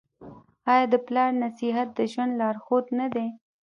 آیا د پلار نصیحت د ژوند لارښود نه دی؟